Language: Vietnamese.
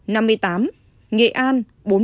nghệ an bốn mươi ba